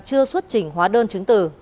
chưa xuất trình hóa đơn chứng từ